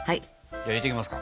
入れていきますか。